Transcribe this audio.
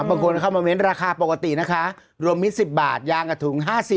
บางคนเข้ามาเน้นราคาปกตินะคะรวมมิตร๑๐บาทยางกับถุง๕๐